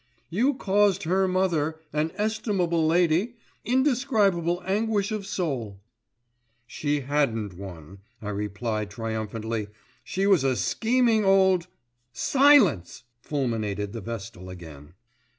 "You caused her mother—an estimable lady—indescribable anguish of soul." "She hadn't one," I replied, triumphantly, "She was a scheming old——" "Silence!" fulminated the Vestal again.